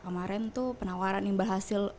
kemarin tuh penawaran imbal hasil